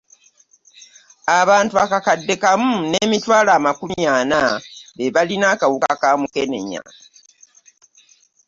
Abantu akakadde kamu n'emitwalo amakumi ana be balina akawuka ka Mukenenya